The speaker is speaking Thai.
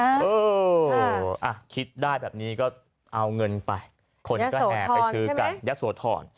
อ้าวคิดได้แบบนี้ก็เอาเงินไปคนก็แห่ไปซื้อกันยาโสทรใช่ไหม